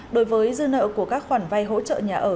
đối với dư nợ của các khoản vay hỗ trợ nhà ở